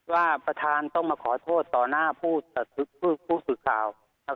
ว่าประธานต้องมาขอโทษต่อหน้าผู้สื่อข่าวครับ